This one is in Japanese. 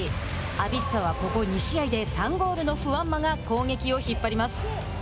アビスパは、ここ２試合で３ゴールのフアンマが攻撃を引っ張ります。